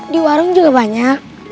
di warung juga banyak